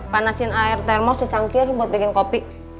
panasin air termos secangkir buat bikin kopi